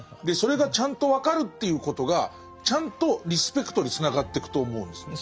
それがちゃんと分かるっていうことがちゃんとリスペクトにつながってくと思うんです。